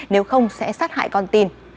nếu không sẽ sát hại con tin